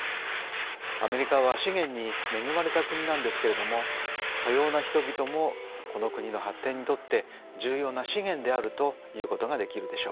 アメリカは資源に恵まれた国なんですけれども多様な人々もこの国の発展にとって重要な資源であるということができるでしょう。